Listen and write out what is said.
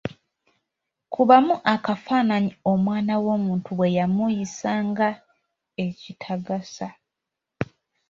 Kubamu akafaananyi omwana w'omuntu bwe bamuyisa nga ekitagasa!